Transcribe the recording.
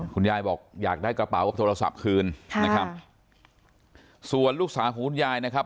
คุณยายบอกอยากได้กระเป๋ากับโทรศัพท์คืนค่ะนะครับส่วนลูกสาวของคุณยายนะครับ